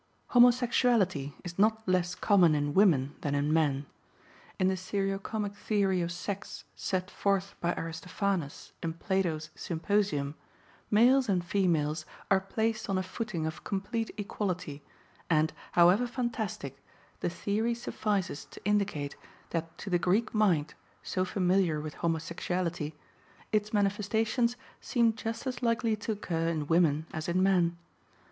Homosexuality is not less common in women than in men. In the seriocomic theory of sex set forth by Aristophanes in Plato's Symposium, males and females are placed on a footing of complete equality, and, however fantastic, the theory suffices to indicate that to the Greek mind, so familiar with homosexuality, its manifestations seemed just as likely to occur in women as in men.